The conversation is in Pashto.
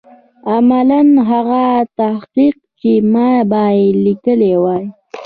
عملاً هغه تحقیق چې ما باید لیکلی وای.